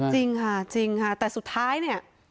จริงค่ะจริงค่ะแต่สุดท้ายเนี่ย